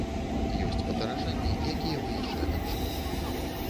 Ёсць падаражанні, якія мы яшчэ адчуем.